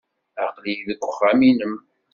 Aql-iyi deg uxxam-nnem.